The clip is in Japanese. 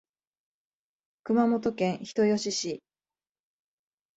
熊本県人吉市